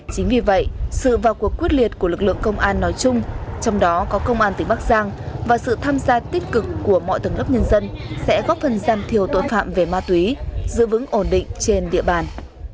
chính vì vậy sự vào cuộc quyết liệt của lực lượng công an nói chung trong đó có công an tỉnh bắc giang và sự tham gia tích cực của mọi tầng lớp nhân dân sẽ góp phần giảm thiểu tội phạm về ma túy giữ vững ổn định trên địa bàn